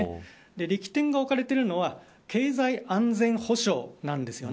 力点が置かれているのは経済安全保障なんです。